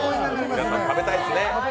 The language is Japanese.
皆さん、食べたいですね。